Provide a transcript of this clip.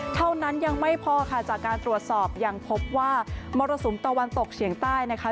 เท่านั้นยังไม่พอค่ะจากการตรวจสอบยังพบว่ามรสุมตะวันตกเฉียงใต้นะคะ